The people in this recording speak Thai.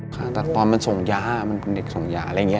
ผ่าตัดตอนมันส่งยามันเป็นเด็กส่งยาอะไรอย่างนี้